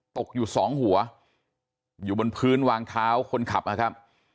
ตกอยู่สองหัวอยู่บนพื้นวางเท้าคนขับนะครับ